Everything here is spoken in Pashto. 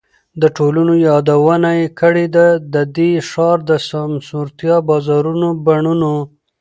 د ټولو یادونه یې کړې ده، د دې ښار د سمسورتیا، بازارونو، بڼونو،